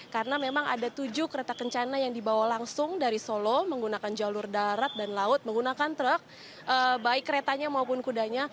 karena memang ada tujuh kereta kencana yang dibawa langsung dari solo menggunakan jalur darat dan laut menggunakan truk baik keretanya maupun kudanya